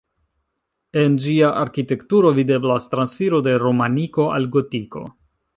En ĝia arkitekturo videblas transiro de romaniko al gotiko.